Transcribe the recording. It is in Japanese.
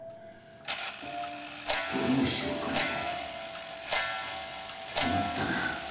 どうしようかねぇ困ったな。